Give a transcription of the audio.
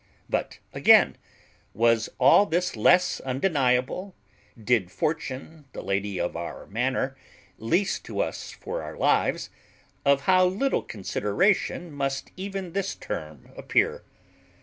But again, was all this less undeniable, did Fortune, the lady of our manor, lease to us for our lives, of how little consideration must even this term appear!